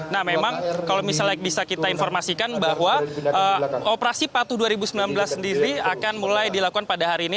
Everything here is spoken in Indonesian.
nah memang kalau misalnya bisa kita informasikan bahwa operasi patuh dua ribu sembilan belas sendiri akan mulai dilakukan pada hari ini